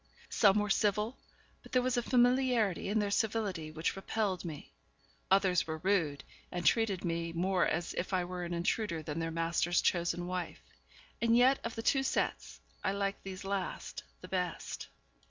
Some were civil, but there was a familiarity in their civility which repelled me; others were rude, and treated me more as if I were an intruder than their master's chosen wife; and yet of the two sets I liked these last the best.